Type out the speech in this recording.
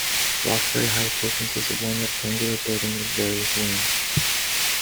Roxbury High School consists of one rectangular building with various wings.